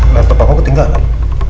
lantai pak aku tinggal